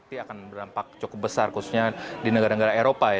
ini akan berdampak cukup besar khususnya di negara negara eropa ya